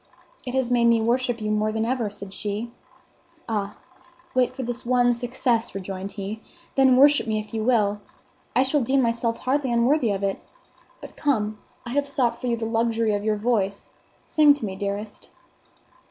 "It has made me worship you more than ever," said she. "Ah, wait for this one success," rejoined he, "then worship me if you will. I shall deem myself hardly unworthy of it. But come, I have sought you for the luxury of your voice. Sing to me, dearest."